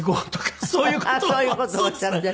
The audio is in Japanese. あっそういう事おっしゃってる。